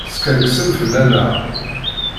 Teskerksem fell-aneɣ!